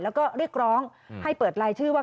แล้วก็เรียกร้องให้เปิดลายชื่อว่า